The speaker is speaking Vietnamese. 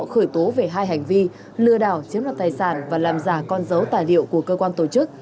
khởi tố về hai hành vi lừa đảo chiếm đoạt tài sản và làm giả con dấu tài liệu của cơ quan tổ chức